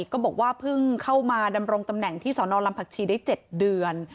ก็บอกว่าเพิ่งเข้ามาดำรงตำแหน่งที่สนลำผักชีได้๗เดือน